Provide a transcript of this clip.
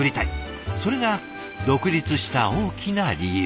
それが独立した大きな理由。